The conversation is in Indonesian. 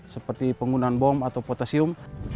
seperti penggunaan bom atau potasium